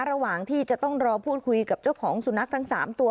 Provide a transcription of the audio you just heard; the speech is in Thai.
ระหว่างที่จะต้องรอพูดคุยกับเจ้าของสุนัขทั้ง๓ตัว